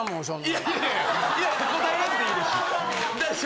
いやいや答えなくていいですし。